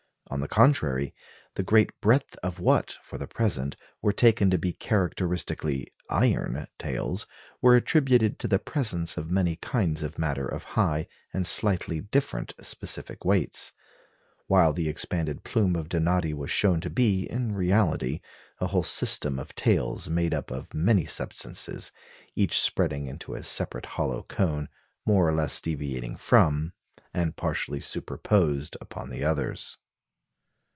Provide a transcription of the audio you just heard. On the contrary, the great breadth of what, for the present, were taken to be characteristically "iron" tails was attributed to the presence of many kinds of matter of high and slightly different specific weights; while the expanded plume of Donati was shown to be, in reality, a whole system of tails, made up of many substances, each spreading into a separate hollow cone, more or less deviating from, and partially superposed upon the others.